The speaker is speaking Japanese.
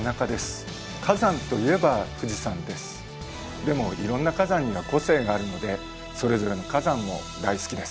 でもいろんな火山には個性があるのでそれぞれの火山も大好きです。